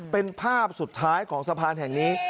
เป็นภาพสุดท้ายของสะพานแห่งนี้